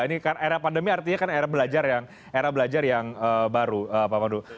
ini kan era pandemi artinya kan era belajar yang baru pak pandu